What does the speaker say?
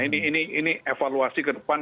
ini evaluasi ke depan